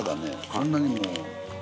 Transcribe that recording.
そんなにもう。